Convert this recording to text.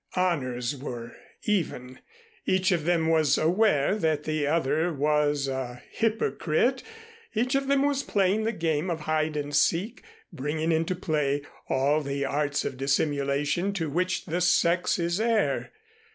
Honors were even. Each of them was aware that the other was a hypocrite, each of them was playing the game of hide and seek, bringing into play all the arts of dissimulation to which the sex is heir.